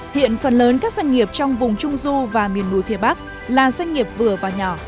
hiện phần lớn các doanh nghiệp trong vùng trung du và miền núi phía bắc là doanh nghiệp vừa và nhỏ